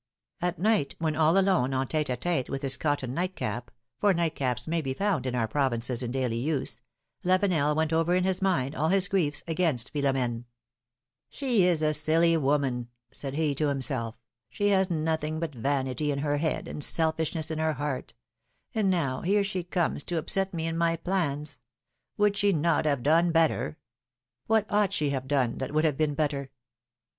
At night, when all alone en tete d tete with his cotton night cap — for night caps may be found in our provinces, in daily use — Lavenel went over in his mind all his griefs against Philomene. 302 phtlom^:ne's marriages. ^^She is a silly woman/^ said he to himself; ^^she has nothing but vanity in her head, and selfishness in her heart ; and now, here she comes to upset me in my plans. Would she not have done better — AVhat ought she to have done that would have been better